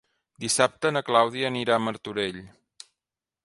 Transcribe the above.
Dissabte na Clàudia anirà a Martorell.